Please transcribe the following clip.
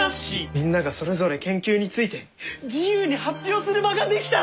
みんながそれぞれ研究について自由に発表する場が出来たら！